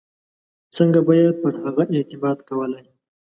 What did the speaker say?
څنګه به یې پر هغه اعتماد کولای.